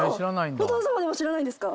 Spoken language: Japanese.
お父さまでも知らないんですか